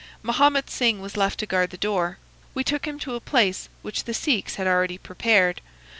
Mahomet Singh was left to guard the door. We took him to a place which the Sikhs had already prepared.